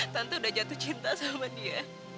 tante udah jatuh cinta sama dia